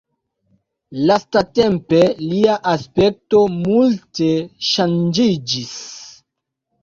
Lastatempe lia aspekto multe ŝanĝiĝis.